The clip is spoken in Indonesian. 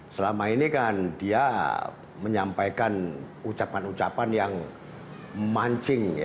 selama ini kan dia menyampaikan ucapan ucapan yang memancing